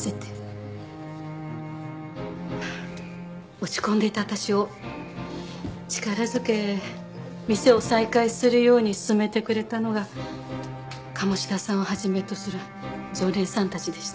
落ち込んでいた私を力づけ店を再開するように勧めてくれたのが鴨志田さんを始めとする常連さんたちでした。